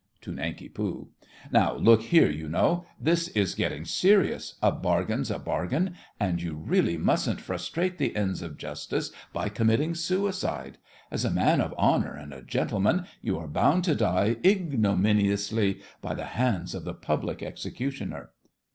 (To Nanki Poo.) Now look here, you know—this is getting serious—a bargain's a bargain, and you really mustn't frustrate the ends of justice by committing suicide. As a man of honour and a gentleman, you are bound to die ignominiously by the hands of the Public Executioner.